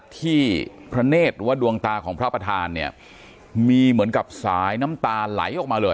ที่พระเนธหรือว่าดวงตาของพระประธานเนี่ยมีเหมือนกับสายน้ำตาไหลออกมาเลย